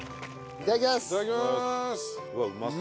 いただきます。